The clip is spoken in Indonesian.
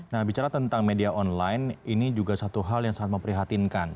nah bicara tentang media online ini juga satu hal yang sangat memprihatinkan